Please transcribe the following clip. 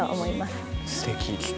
すてき。